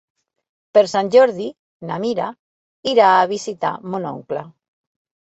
Per Sant Jordi na Mira irà a visitar mon oncle.